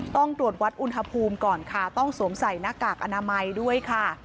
ต้องตรวจวัดอุณหภูมิก่อนค่ะต้องสวมใส่หน้ากากอนามัยด้วยค่ะ